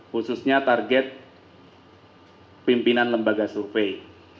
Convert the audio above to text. khususnya target pimpinan lembaga survei